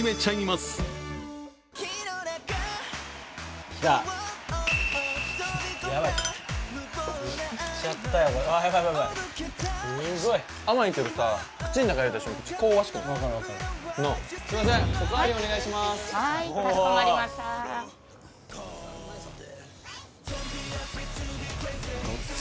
すいません、おかわりお願いします。